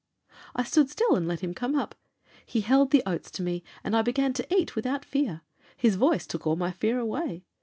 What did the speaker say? I stood still and let him come up; he held the oats to me, and I began to eat without fear; his voice took all my fear away.